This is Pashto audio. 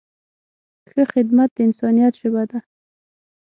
ښه خدمت د انسانیت ژبه ده.